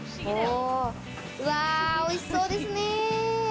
うわ、おいしそうですね！